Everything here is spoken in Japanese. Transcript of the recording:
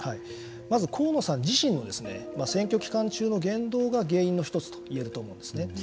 まず河野さん自身の選挙期間中の言動が原因の１つといえると思うんですね。